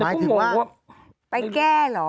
หมายถึงว่าไปแก้หรอ